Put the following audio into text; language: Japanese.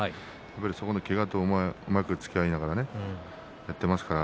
そんなけがとうまくつきあいながら、みんなやっています。